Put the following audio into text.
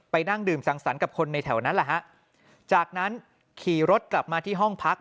นั่งดื่มสังสรรค์กับคนในแถวนั้นแหละฮะจากนั้นขี่รถกลับมาที่ห้องพัก